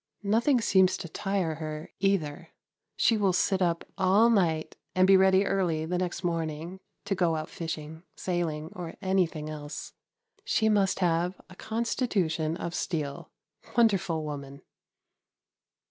Nothing seems to tire her, either. She will sit up all night and be ready early the next morning to go out fishing, sailing or anything else. She must have a constitution of steel. Wonderful woman!